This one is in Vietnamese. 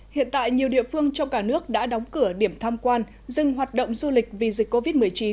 hiện tại nhiều địa phương trong cả nước đã đóng cửa điểm tham quan dừng hoạt động du lịch vì dịch covid một mươi chín